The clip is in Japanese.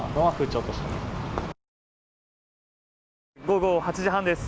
午後８時半です